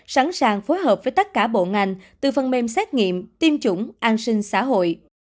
sẵn sàng phối hợp với tất cả bộ ngành từ phần mềm xét nghiệm tiêm chủng an sinh xã hội